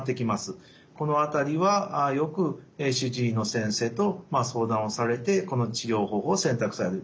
この辺りはよく主治医の先生と相談をされてこの治療方法を選択される